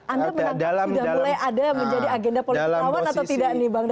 anda menanggapi sudah mulai ada yang menjadi agenda politik lawan atau tidak nih bang dario